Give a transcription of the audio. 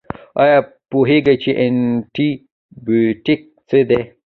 ایا پوهیږئ چې انټي بیوټیک څه دي؟